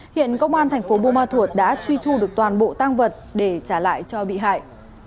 hiện công an thành phố buôn ma thuột đã truy thu được toàn bộ tăng vật để trả lại cho bị hại